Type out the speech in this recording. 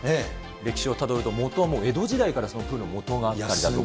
歴史をたどると、もとは江戸時代から、プールのもとがあったりだとか。